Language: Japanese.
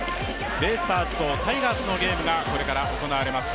ベイスターズとタイガースのゲームがこれから行われます。